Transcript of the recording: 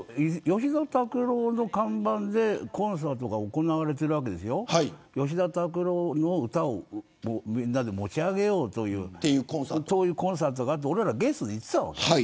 吉田拓郎の看板でコンサートが行われていて吉田拓郎の歌をみんなで持ち上げようというそういうコンサートがあってゲストで行っていたの。